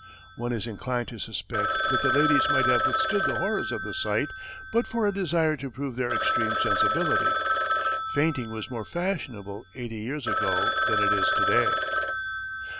One is inclined to suspect that the ladies might have withstood the horrors of the sight, but for a desire to prove their extreme sensibility. Fainting was more fashionable eighty years ago than it is to day.